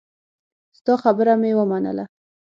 ستا خبره مې ومنله.